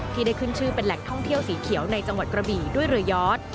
ที่ได้ขึ้นชื่อเป็นแหล่งท่องเที่ยวสีเขียวในจังหวัดกระบี่ด้วยเรือยอด